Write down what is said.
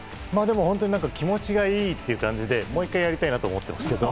気持ちがいいという感じで、もう一回やりたいなと思ってますけど。